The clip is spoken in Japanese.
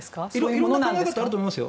色んな考え方があると思いますよ。